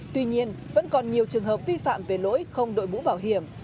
tuy nhiên vẫn còn nhiều trường hợp vi phạm về lỗi không đội mũ bảo hiểm